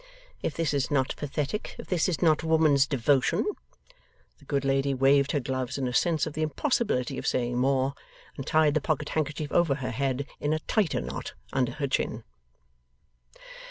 If this is not pathetic, if this is not woman's devotion !' The good lady waved her gloves in a sense of the impossibility of saying more, and tied the pocket handkerchief over her head in a tighter knot under her chin.